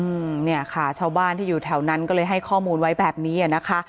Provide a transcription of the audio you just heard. อืมเนี่ยค่ะชาวบ้านที่อยู่แถวนั้นก็เลยให้ข้อมูลไว้แบบนี้อ่ะนะคะ